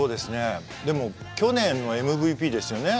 でも去年のＭＶＰですよね。